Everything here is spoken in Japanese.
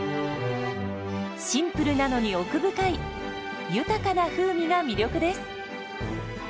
シンプルなのに奥深い豊かな風味が魅力です。